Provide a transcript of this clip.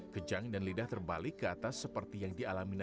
kejang dan lidah terbalik ke atas seperti yang dialami nada